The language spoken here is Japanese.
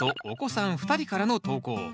お子さん２人からの投稿。